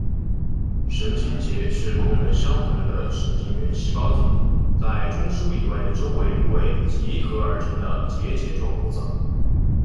神经节是功能相同的神经元细胞体在中枢以外的周围部位集合而成的结节状构造。